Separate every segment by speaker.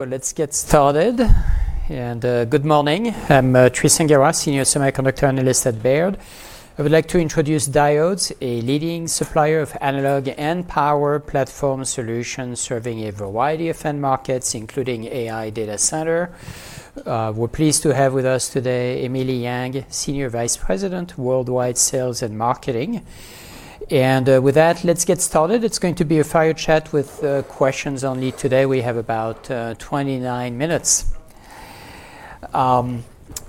Speaker 1: Well, let's get started. Good morning. I'm Tristan Gerra, senior semiconductor analyst at Baird. I would like to introduce Diodes, a leading supplier of analog and power platform solutions serving a variety of end markets, including AI data center. We're pleased to have with us today Emily Yang, Senior Vice President, Worldwide Sales and Marketing. With that, let's get started. It's going to be a fire chat with questions only today. We have about 29 minutes. I'm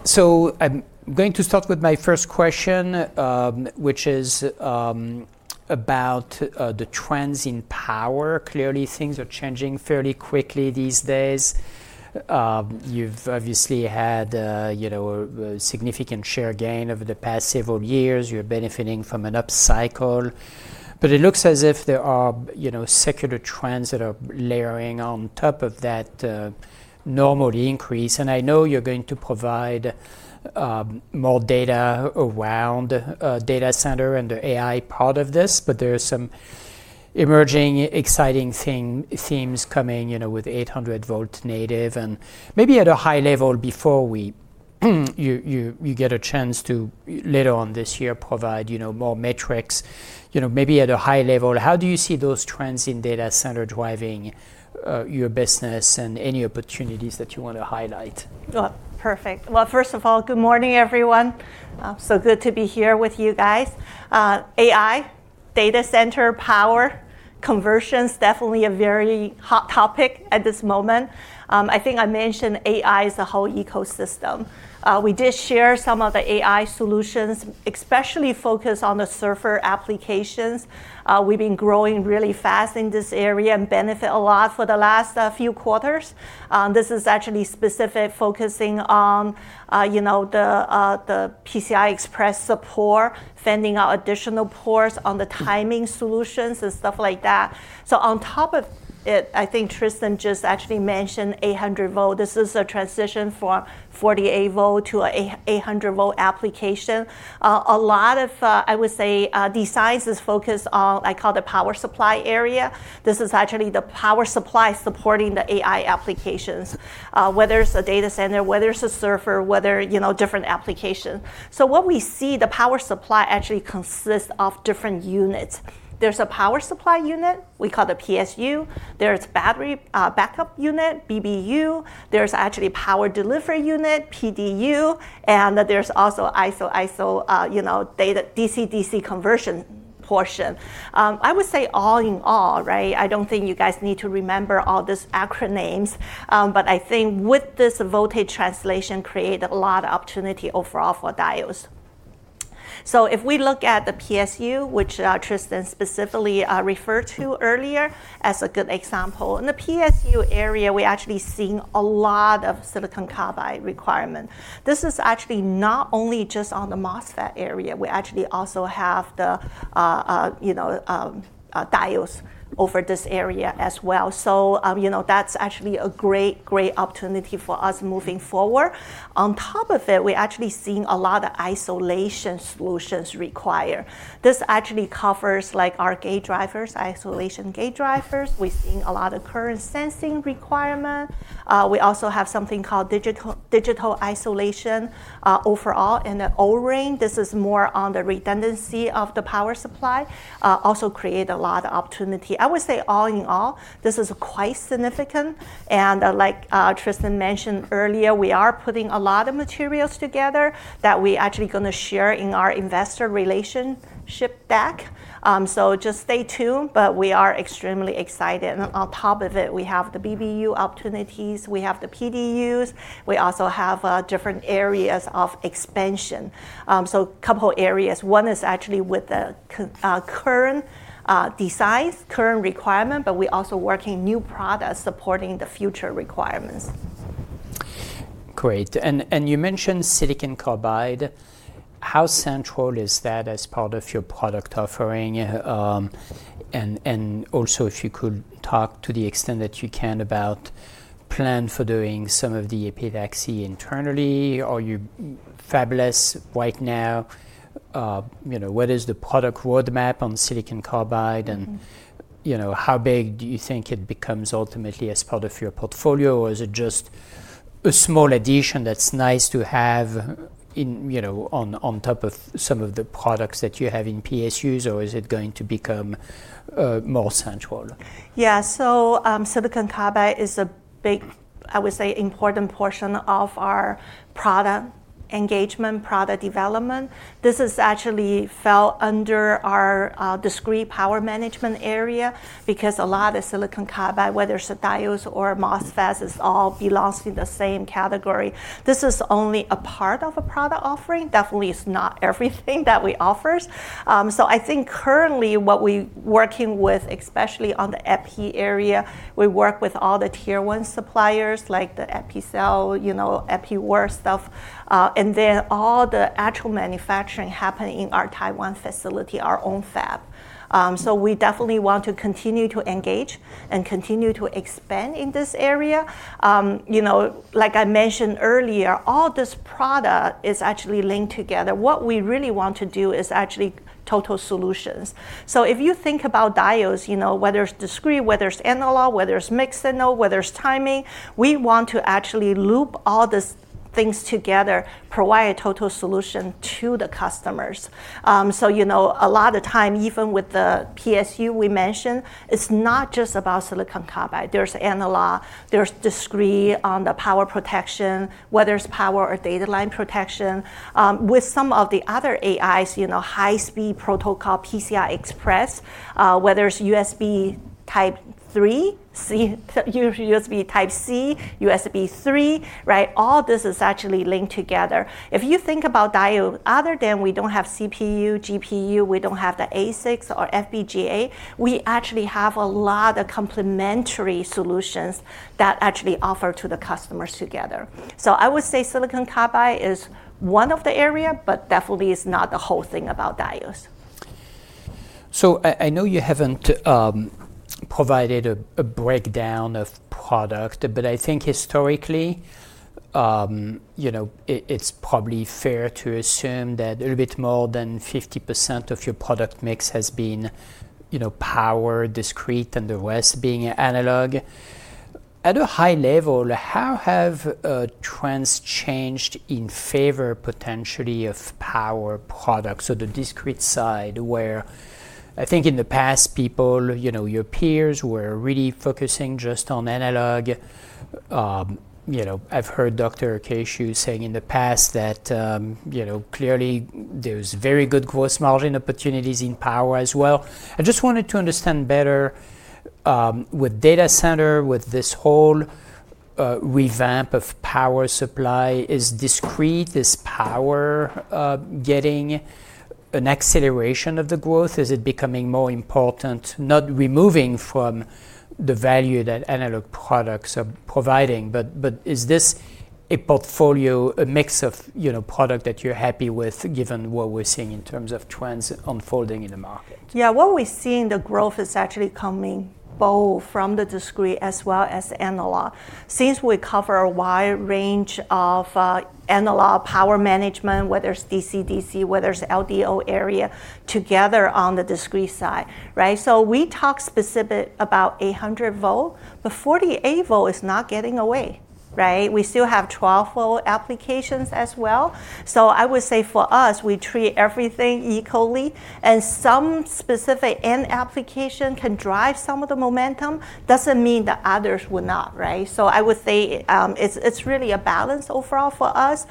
Speaker 1: going to start with my first question, which is about the trends in power. Clearly, things are changing fairly quickly these days. You've obviously had a significant share gain over the past several years. You're benefiting from an upcycle. It looks as if there are secular trends that are layering on top of that normal increase. I know you're going to provide more data around data center and the AI part of this, but there are some emerging exciting themes coming, with 800 volt native. Maybe at a high level before you get a chance to, later on this year, provide more metrics. Maybe at a high level, how do you see those trends in data center driving your business and any opportunities that you want to highlight?
Speaker 2: Oh, perfect. Well, first of all, good morning, everyone. Good to be here with you guys. AI, data center, power, conversion's definitely a very hot topic at this moment. I think I mentioned AI is a whole ecosystem. We did share some of the AI solutions, especially focused on the server applications. We've been growing really fast in this area and benefit a lot for the last few quarters. This is actually specific focusing on the PCI Express support, sending out additional ports on the timing solutions and stuff like that. On top of it, I think Tristan just actually mentioned 800 volt. This is a transition from 48 volt to a 800 volt application. A lot of, I would say, devices focus on, I call, the power supply area. This is actually the power supply supporting the AI applications, whether it's a data center, whether it's a server, whether different application. What we see, the power supply actually consists of different units. There's a power supply unit, we call the PSU. There is battery backup unit, BBU. There's actually power delivery unit, PDU, and there's also isolated, DC-DC conversion portion. I would say all in all, I don't think you guys need to remember all these acronyms. I think with this voltage translation create a lot of opportunity overall for Diodes. If we look at the PSU, which Tristan specifically referred to earlier as a good example. In the PSU area, we actually seeing a lot of silicon carbide requirement. This is actually not only just on the MOSFET area, we actually also have the diodes over this area as well. That's actually a great opportunity for us moving forward. On top of it, we actually seeing a lot of isolation solutions require. This actually covers our gate drivers, isolation gate drivers. We're seeing a lot of current sensing requirement. We also have something called digital isolation, overall, in the ORing. This is more on the redundancy of the power supply, also create a lot of opportunity. I would say all in all, this is quite significant, and like Tristan mentioned earlier, we are putting a lot of materials together that we actually going to share in our investor relationship deck. Just stay tuned, but we are extremely excited. On top of it, we have the BBU opportunities, we have the PDUs. We also have different areas of expansion. Couple areas. One is actually with the current device, current requirement. We also working new products supporting the future requirements.
Speaker 1: Great. You mentioned silicon carbide. How central is that as part of your product offering? Also, if you could talk to the extent that you can about plan for doing some of the epitaxy internally. Are you fabless right now? What is the product roadmap on silicon carbide and how big do you think it becomes ultimately as part of your portfolio? Is it just a small addition that's nice to have on top of some of the products that you have in PSUs or is it going to become more central?
Speaker 2: Yeah. silicon carbide is a big, I would say, important portion of our product engagement, product development. This is actually fell under our discrete power management area because a lot of the silicon carbide, whether it's the diodes or MOSFETs, is all belongs in the same category. This is only a part of a product offering, definitely is not everything that we offers. I think currently what we working with, especially on the epi area, we work with all the tier one suppliers like the Episil, EpiWorld stuff. all the actual manufacturing happen in our Taiwan facility, our own fab. We definitely want to continue to engage and continue to expand in this area. Like I mentioned earlier, all this product is actually linked together. What we really want to do is actually total solutions. If you think about Diodes, whether it's discrete, whether it's analog, whether it's mixed signal, whether it's timing, we want to actually loop all this things together provide a total solution to the customers. A lot of time, even with the PSU we mentioned, it's not just about silicon carbide. There's analog, there's discrete on the power protection, whether it's power or data line protection. With some of the other AIs, high speed protocol, PCI Express, whether it's USB Type-C, USB 3, right? All this is actually linked together. If you think about Diodes, other than we don't have CPU, GPU, we don't have the ASICs or FPGA, we actually have a lot of complementary solutions that actually offer to the customers together. I would say silicon carbide is one of the area, but definitely is not the whole thing about Diodes.
Speaker 1: I know you haven't provided a breakdown of product, but I think historically, it's probably fair to assume that a little bit more than 50% of your product mix has been power, discrete, and the rest being analog. At a high level, how have trends changed in favor potentially of power products? The discrete side, where I think in the past, people, your peers, were really focusing just on analog. I've heard Keh-Shew Lu saying in the past that, clearly there's very good gross margin opportunities in power as well. I just wanted to understand better, with data center, with this whole revamp of power supply, is discrete, is power getting an acceleration of the growth? Is it becoming more important? Is this a portfolio, a mix of product that you're happy with given what we're seeing in terms of trends unfolding in the market?
Speaker 2: Yeah. What we're seeing, the growth is actually coming both from the discrete as well as analog. Since we cover a wide range of analog power management, whether it's DC-DC, whether it's LDO area together on the discrete side. Right? We talk specific about 800 volt, but 48 volt is not getting away. Right? We still have 12 volt applications as well. I would say for us, we treat everything equally and some specific end application can drive some of the momentum, doesn't mean that others will not. Right? I would say, it's really a balance overall for us.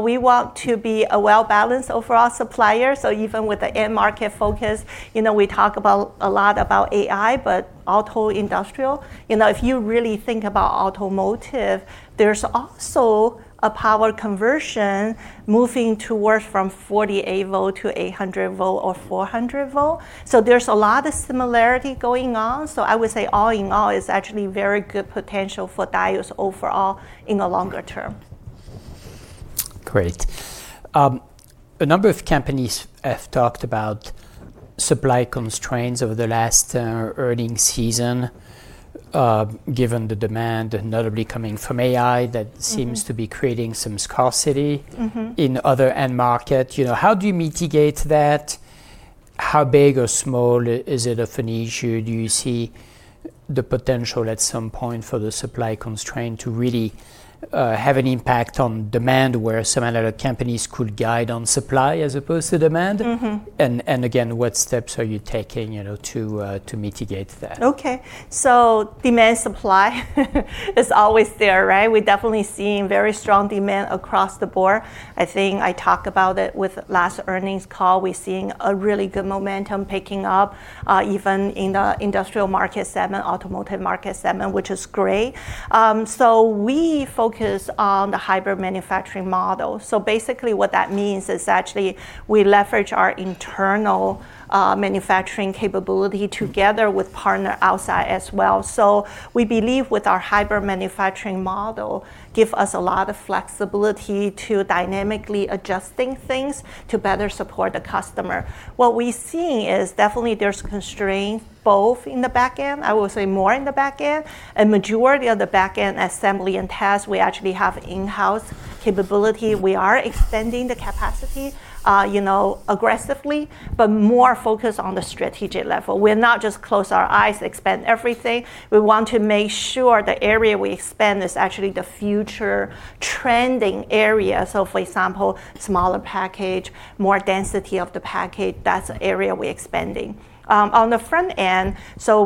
Speaker 2: We want to be a well-balanced overall supplier. Even with the end market focus, we talk a lot about AI, but auto, industrial. If you really think about automotive, there's also a power conversion moving towards from 48 volt-800 volt or 400 volt. There's a lot of similarity going on. I would say all in all, it's actually very good potential for Diodes overall in the longer term.
Speaker 1: Great. A number of companies have talked about supply constraints over the last earning season, given the demand notably coming from AI that seems to be creating some scarcity. in other end market. How do you mitigate that? How big or small is it of an issue? Do you see the potential at some point for the supply constraint to really have an impact on demand where some analog companies could guide on supply as opposed to demand? Again, what steps are you taking to mitigate that?
Speaker 2: Okay. Demand supply is always there, right? We're definitely seeing very strong demand across the board. I think I talk about it with last earnings call. We're seeing a really good momentum picking up, even in the industrial market segment, automotive market segment, which is great. We focus on the hybrid manufacturing model. Basically what that means is actually we leverage our internal manufacturing capability together with partner outside as well. We believe with our hybrid manufacturing model, give us a lot of flexibility to dynamically adjusting things to better support the customer. What we're seeing is definitely there's constraint both in the backend, I will say more in the backend, and majority of the backend assembly and tests, we actually have in-house capability. We are extending the capacity aggressively, but more focused on the strategic level. We're not just close our eyes, expand everything. We want to make sure the area we expand is actually the future trending area. For example, smaller package, more density of the package, that's the area we expanding. On the front end,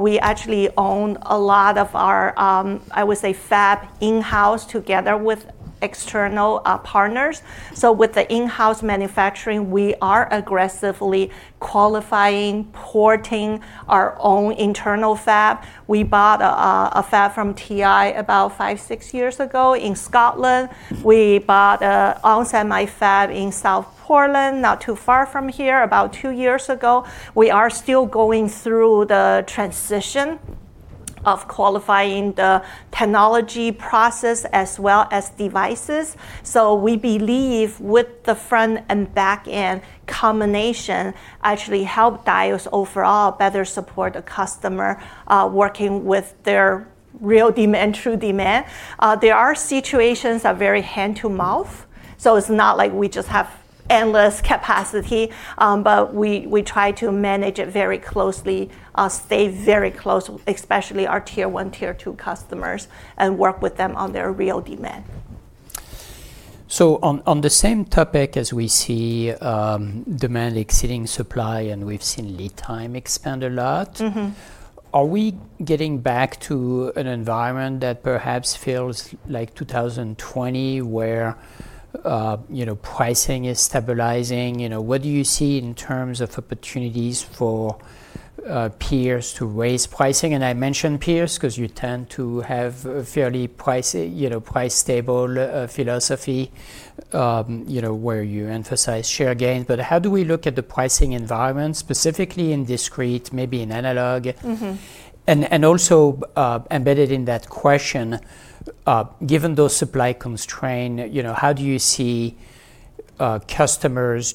Speaker 2: we actually own a lot of our, I would say fab in-house together with external partners. With the in-house manufacturing, we are aggressively qualifying, porting our own internal fab. We bought a fab from TI about five, six years ago in Scotland. We bought onsemi fab in South Portland, not too far from here, about two years ago. We are still going through the transition of qualifying the technology process as well as devices. We believe with the front and backend combination actually help Diodes overall better support the customer, working with their real demand, true demand. There are situations are very hand to mouth. It's not like we just have endless capacity, but we try to manage it very closely, stay very close, especially our tier 1, tier 2 customers, and work with them on their real demand.
Speaker 1: On the same topic as we see demand exceeding supply, and we've seen lead time expand a lot. Are we getting back to an environment that perhaps feels like 2020 where pricing is stabilizing? What do you see in terms of opportunities for peers to raise pricing? I mention peers because you tend to have a fairly price stable philosophy where you emphasize share gains. How do we look at the pricing environment, specifically in discrete, maybe in analog? Also embedded in that question, given those supply constraints, how do you see customers'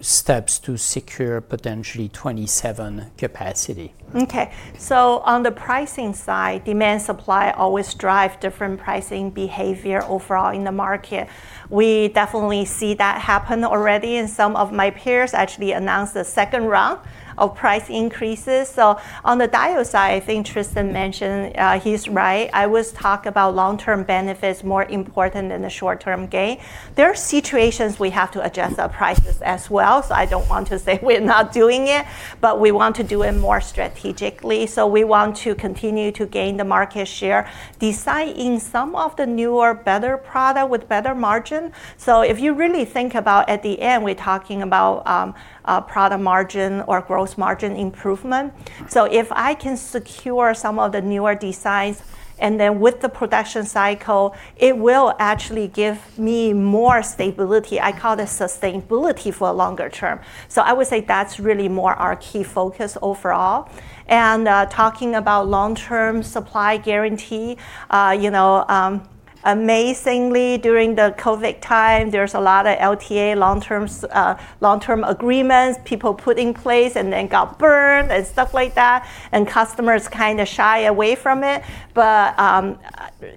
Speaker 1: steps to secure potentially 2027 capacity?
Speaker 2: On the pricing side, demand, supply always drive different pricing behavior overall in the market. We definitely see that happen already, some of my peers actually announced the second round of price increases. On the Diodes side, I think Tristan mentioned, he's right. I was talk about long-term benefits more important than the short-term gain. There are situations we have to adjust our prices as well, I don't want to say we're not doing it, we want to do it more strategically. We want to continue to gain the market share, design in some of the newer, better product with better margin. If you really think about at the end, we're talking about product margin or gross margin improvement. If I can secure some of the newer designs, with the production cycle, it will actually give me more stability. I call it sustainability for a longer term. I would say that's really more our key focus overall. Talking about long-term supply guarantee, amazingly during the COVID time, there's a lot of LTA, long-term agreements people put in place and then got burned and stuff like that, and customers kind of shy away from it.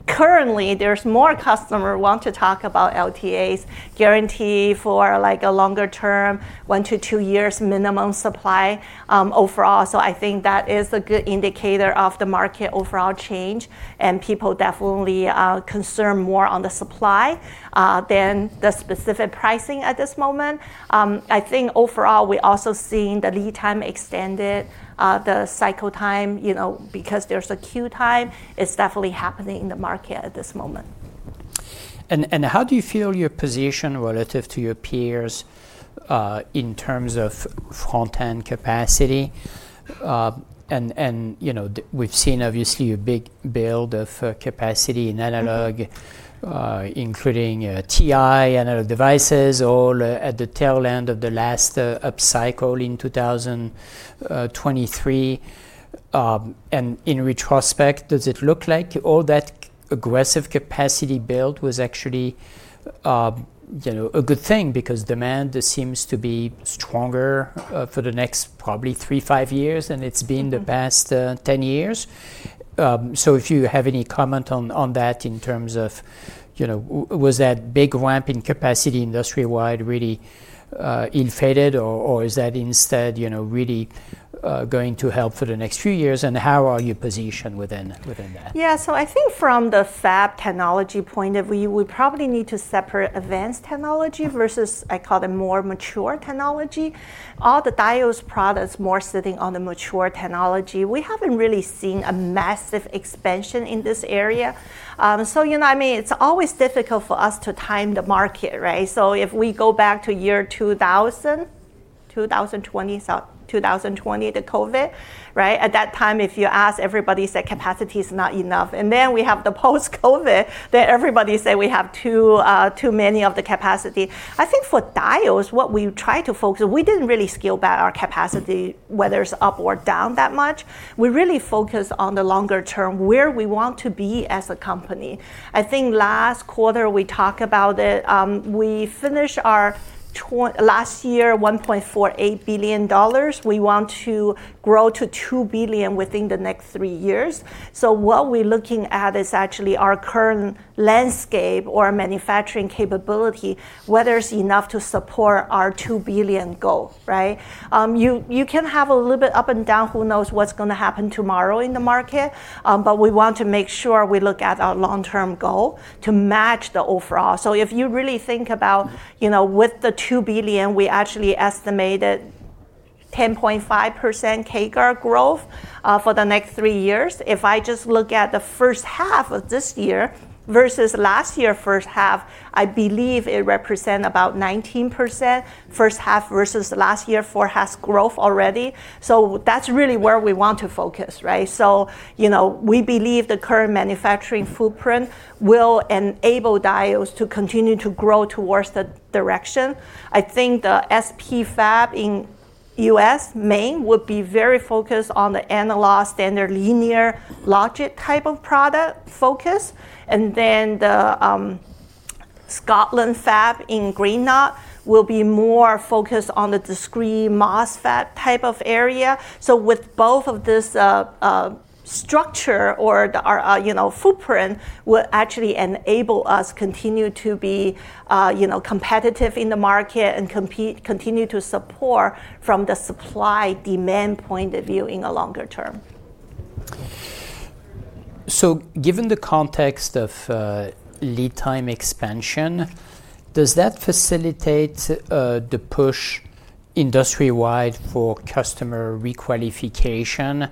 Speaker 2: Currently, there's more customer want to talk about LTAs guarantee for a longer term, one to two years minimum supply, overall. I think that is a good indicator of the market overall change, and people definitely are concerned more on the supply than the specific pricing at this moment. I think overall we also seeing the lead time extended, the cycle time, because there's a queue time. It's definitely happening in the market at this moment.
Speaker 1: How do you feel your position relative to your peers, in terms of front-end capacity? We've seen, obviously, a big build of capacity in analog, including TI Analog Devices, all at the tail end of the last upcycle in 2023. In retrospect, does it look like all that aggressive capacity build was actually a good thing? Because demand seems to be stronger for the next probably three, five years than it's been. the past 10 years, if you have any comment on that in terms of was that big ramp in capacity industry-wide really ill-fated, or is that instead really going to help for the next few years, and how are you positioned within that?
Speaker 2: I think from the fab technology point of view, we probably need to separate advanced technology versus I call the more mature technology. All the Diodes products more sitting on the mature technology. We haven't really seen a massive expansion in this area. I mean, it's always difficult for us to time the market, right? If we go back to year 2000, 2020 to COVID, right? At that time, if you ask everybody, say capacity is not enough. We have the post-COVID that everybody say we have too many of the capacity. I think for Diodes, what we try to focus, we didn't really scale back our capacity, whether it's up or down that much. We really focus on the longer term, where we want to be as a company. I think last quarter, we talk about it. We finish our last year, $1.48 billion. We want to grow to $2 billion within the next three years. What we're looking at is actually our current landscape or manufacturing capability, whether it's enough to support our $2 billion goal, right? You can have a little bit up and down. Who knows what's going to happen tomorrow in the market? We want to make sure we look at our long-term goal to match the overall. If you really think about, with the $2 billion, we actually estimated 10.5% CAGR growth for the next three years. If I just look at the first half of this year versus last year first half, I believe it represent about 19% first half versus last year first half growth already. That's really where we want to focus, right? We believe the current manufacturing footprint will enable Diodes to continue to grow towards that direction. I think the South Portland fab in U.S., Maine, would be very focused on the analog, standard linear logic type of product focus. The Scotland fab in Greenock will be more focused on the discrete MOSFET type of area. With both of this structure or the footprint will actually enable us continue to be competitive in the market and continue to support from the supply-demand point of view in a longer term.
Speaker 1: Given the context of lead time expansion, does that facilitate the push industry-wide for customer re-qualification?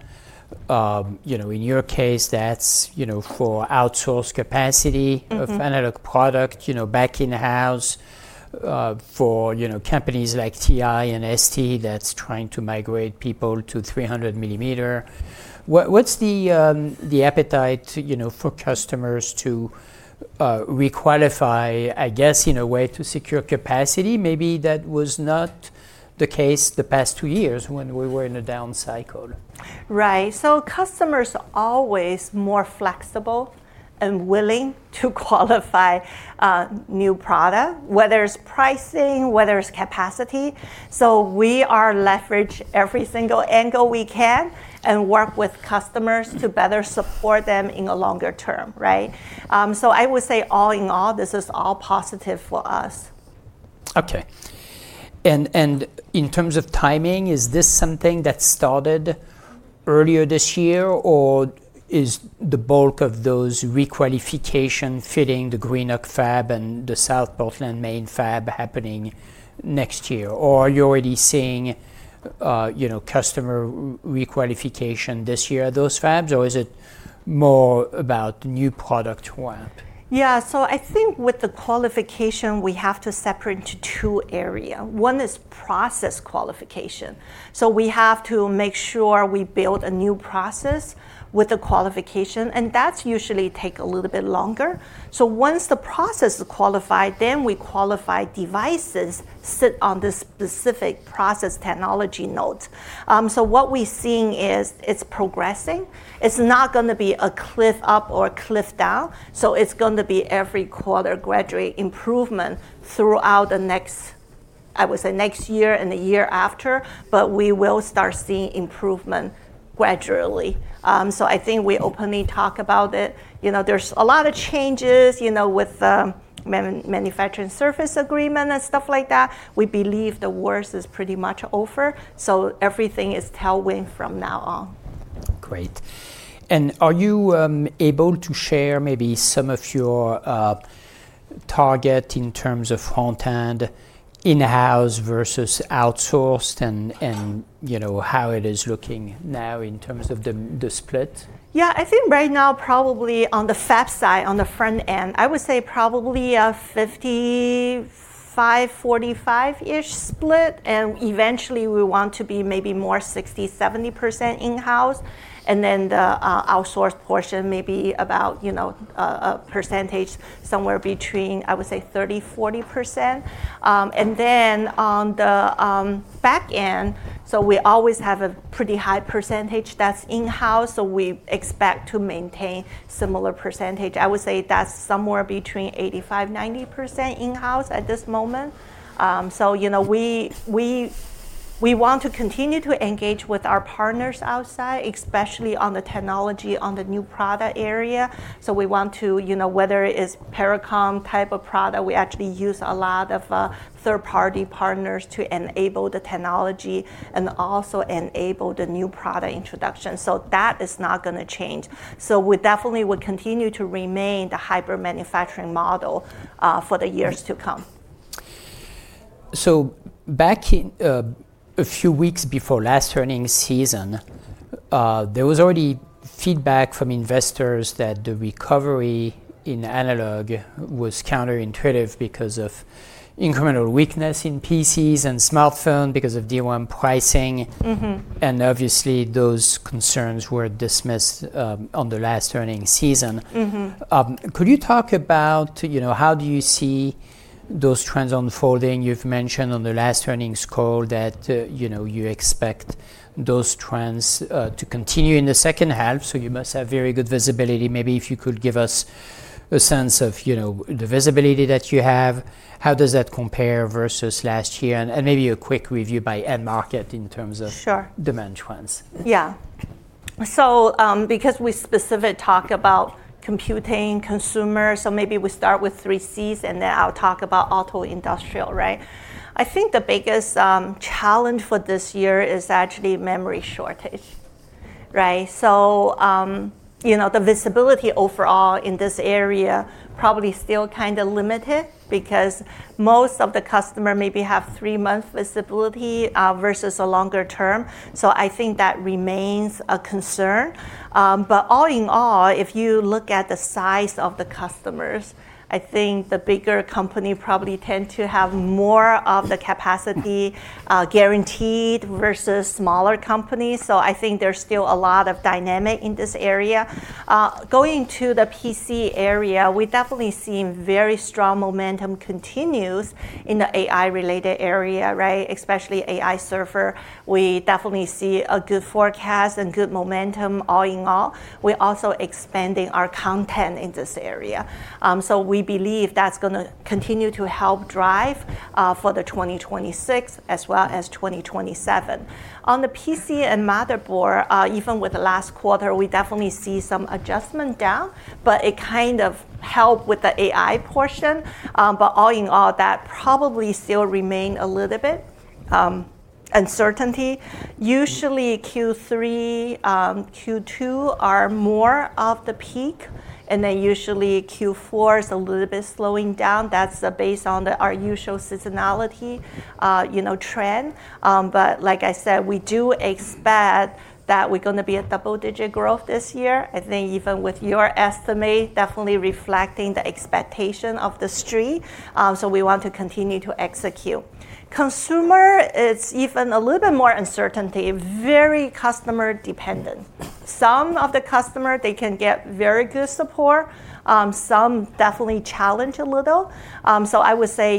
Speaker 1: In your case, that's for outsourced capacity? Of analog product back in-house, for companies like TI and ST that's trying to migrate people to 300 mm. What's the appetite for customers to re-qualify, I guess, in a way to secure capacity? Maybe that was not the case the past two years when we were in a down cycle.
Speaker 2: Right. Customers are always more flexible and willing to qualify a new product, whether it's pricing, whether it's capacity. We are leverage every single angle we can and work with customers to better support them in a longer term. Right? I would say all in all, this is all positive for us.
Speaker 1: Okay. In terms of timing, is this something that started earlier this year or is the bulk of those re-qualification fitting the Greenock fab and the South Portland, Maine fab happening next year? Are you already seeing customer re-qualification this year at those fabs, or is it more about new product ramp?
Speaker 2: Yeah. I think with the qualification, we have to separate into two areas. One is process qualification. We have to make sure we build a new process with the qualification, and that usually take a little bit longer. Once the process is qualified, then we qualify devices sit on the specific process technology node. What we're seeing is it's progressing. It's not going to be a cliff up or a cliff down. It's going to be every quarter gradually improvement throughout, I would say, next year and the year after. We will start seeing improvement gradually. I think we openly talk about it. There's a lot of changes with the manufacturing service agreement and stuff like that. We believe the worst is pretty much over, so everything is tailwind from now on.
Speaker 1: Great. Are you able to share maybe some of your target in terms of front-end in-house versus outsourced and how it is looking now in terms of the split?
Speaker 2: I think right now probably on the fab side, on the front end, I would say probably a 55-45% split. Eventually we want to be maybe more 60-70% in-house, then the outsource portion may be about a percentage somewhere between, I would say, 30-40%. On the back end, we always have a pretty high percentage that's in-house, so we expect to maintain similar percentage. I would say that's somewhere between 85-90% in-house at this moment. We want to continue to engage with our partners outside, especially on the technology on the new product area. We want to, whether it is Pericom type of product, we actually use a lot of third-party partners to enable the technology also enable the new product introduction. That is not going to change. We definitely would continue to remain the hybrid manufacturing model for the years to come.
Speaker 1: Back a few weeks before last earnings season, there was already feedback from investors that the recovery in analog was counterintuitive because of incremental weakness in PCs and smartphone because of DRAM pricing. Obviously those concerns were dismissed on the last earning season. Could you talk about how do you see those trends unfolding? You've mentioned on the last earnings call that you expect those trends to continue in the second half. You must have very good visibility. Maybe if you could give us a sense of the visibility that you have, how does that compare versus last year? And maybe your quick review by end-market in terms of-
Speaker 2: Sure
Speaker 1: demand trends.
Speaker 2: Yeah. Because we specific talk about computing, consumer, maybe we start with three Cs and then I'll talk about auto industrial. I think the biggest challenge for this year is actually memory shortage. The visibility overall in this area probably still kind of limited because most of the customer maybe have three-month visibility versus a longer term. I think that remains a concern. All in all, if you look at the size of the customers, I think the bigger company probably tend to have more of the capacity guaranteed versus smaller companies. I think there's still a lot of dynamic in this area. Going to the PC area, we've definitely seen very strong momentum continues in the AI-related area, especially AI server. We definitely see a good forecast and good momentum all in all. We're also expanding our content in this area. We believe that's going to continue to help drive for the 2026 as well as 2027. On the PC and motherboard, even with the last quarter, we definitely see some adjustment down, but it kind of help with the AI portion. All in all, that probably still remain a little bit uncertainty. Usually Q3, Q2 are more of the peak, and then usually Q4 is a little bit slowing down. That's based on our usual seasonality trend. Like I said, we do expect that we're going to be a double-digit growth this year. I think even with your estimate, definitely reflecting the expectation of the street, so we want to continue to execute. Consumer, it's even a little bit more uncertainty, very customer-dependent. Some of the customer, they can get very good support. Some definitely challenge a little. I would say,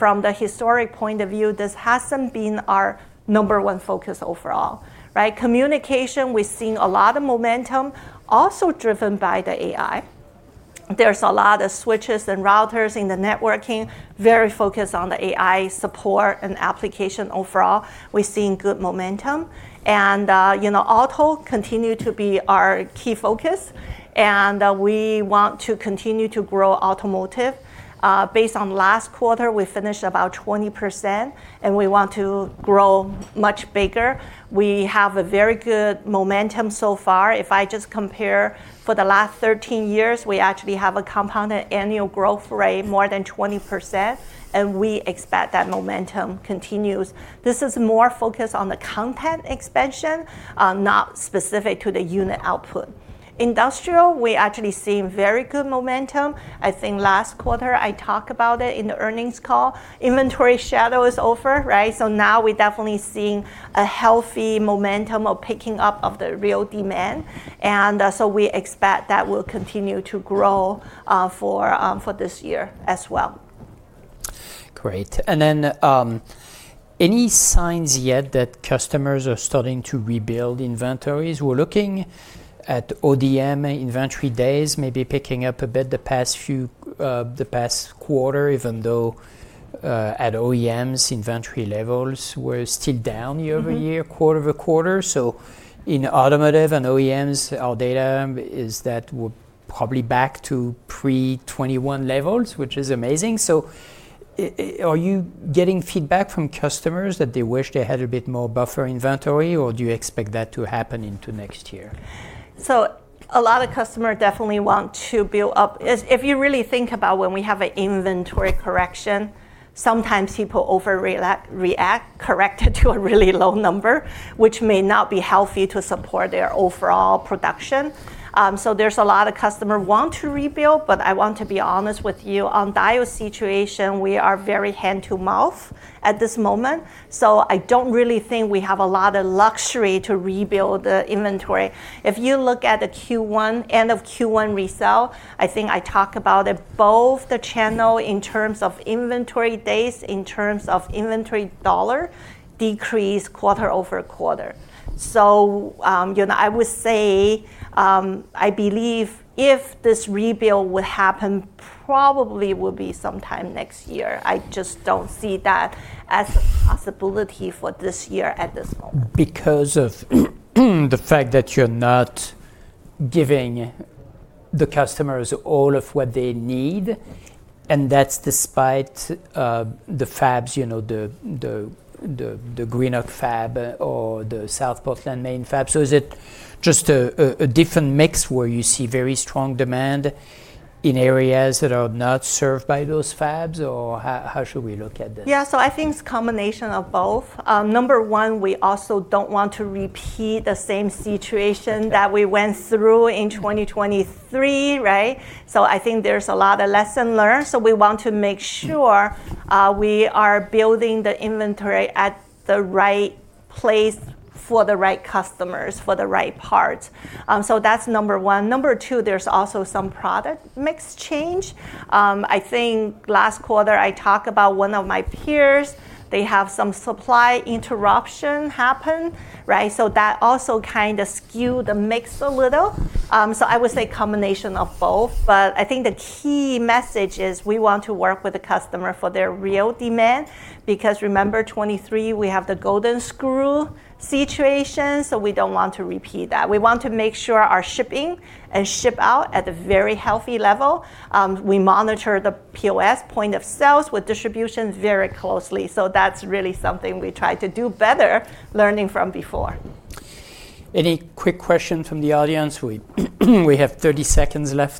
Speaker 2: from the historic point of view, this hasn't been our number one focus overall. Right? Communication, we're seeing a lot of momentum also driven by the AI. There's a lot of switches and routers in the networking, very focused on the AI support and application overall. We're seeing good momentum. Auto continue to be our key focus and we want to continue to grow automotive. Based on last quarter, we finished about 20% and we want to grow much bigger. We have a very good momentum so far. If I just compare for the last 13 years, we actually have a compounded annual growth rate more than 20%, and we expect that momentum continues. This is more focused on the content expansion, not specific to the unit output. Industrial, we're actually seeing very good momentum. I think last quarter, I talked about it in the earnings call. Inventory shadow is over, right? Now we're definitely seeing a healthy momentum of picking up of the real demand, we expect that will continue to grow for this year as well.
Speaker 1: Great. Any signs yet that customers are starting to rebuild inventories? We're looking at ODM inventory days maybe picking up a bit the past quarter, even though at OEMs, inventory levels were still down year-over-year, quarter-over-quarter. In automotive and OEMs, our data is that we're probably back to pre-2021 levels, which is amazing. Are you getting feedback from customers that they wish they had a bit more buffer inventory, or do you expect that to happen into next year?
Speaker 2: A lot of customer definitely want to build up. If you really think about when we have an inventory correction, sometimes people overreact, correct it to a really low number, which may not be healthy to support their overall production. There's a lot of customer want to rebuild, but I want to be honest with you. On Diodes' situation, we are very hand to mouth at this moment. I don't really think we have a lot of luxury to rebuild the inventory. If you look at end of Q1 resale, I think I talk about it, both the channel in terms of inventory days, in terms of inventory dollar, decreased quarter-over-quarter. I would say, I believe if this rebuild would happen, probably will be sometime next year. I just don't see that as a possibility for this year at this moment.
Speaker 1: Because of the fact that you're not giving the customers all of what they need, and that's despite the fabs, the Greenock fab or the South Portland, Maine fab. Is it just a different mix where you see very strong demand in areas that are not served by those fabs or how should we look at this?
Speaker 2: Yeah. I think it's a combination of both. Number one, we also don't want to repeat the same situation that we went through in 2023, right? I think there's a lot of lesson learned. We want to make sure we are building the inventory at the right place for the right customers, for the right parts. That's number one. Number two, there's also some product mix change. I think last quarter, I talk about one of my peers, they have some supply interruption happen, right? That also kind of skewed the mix a little. I would say combination of both, but I think the key message is we want to work with the customer for their real demand, because remember 2023, we have the golden screw situation, so we don't want to repeat that. We want to make sure our shipping and ship-out at a very healthy level. We monitor the POS, point of sales, with distributions very closely. That's really something we try to do better learning from before.
Speaker 1: Any quick question from the audience? We have 30 seconds left.